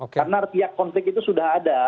karena artiak konflik itu sudah ada